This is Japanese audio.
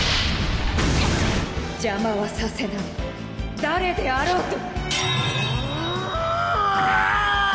邪魔はさせない誰であろうと！